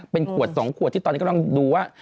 เป็นขวด๒ขวดที่ตอนนี้กำลังดูว่า